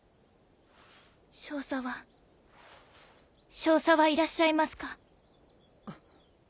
少佐は少佐はいらっしゃいますか？